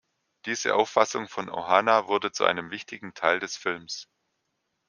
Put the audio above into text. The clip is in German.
Diese Auffassung von ʻohana wurde zu einem wichtigen Teil des Films.